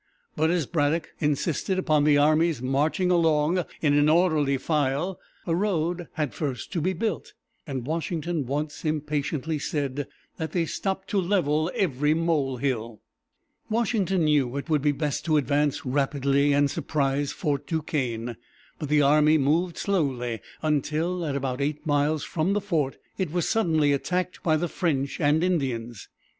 But as Braddock insisted upon the army's marching along in an orderly file, a road had first to be built, and Washington once impatiently said that they stopped "to level every molehill." [Illustration: At Braddock's Defeat.] Washington knew it would be best to advance rapidly and surprise Fort Duquesne; but the army moved slowly until, at about eight miles from the fort, it was suddenly attacked by the French and Indians.